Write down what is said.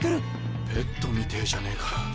ペットみてぇじゃねえか。